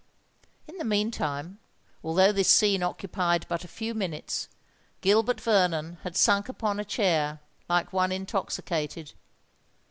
In the meantime—although this scene occupied but a few minutes—Gilbert Vernon had sunk upon a chair, like one intoxicated.